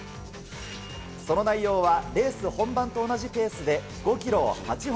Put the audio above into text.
その内容はレース本番と同じペースで５ｋｍを８本。